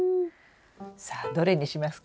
さあどれにしますか？